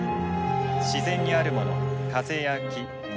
自然にあるもの風や木水。